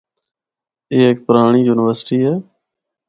اے ہک پرانڑی یونیورسٹی ہے۔